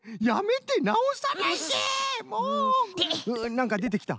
なんかでてきた！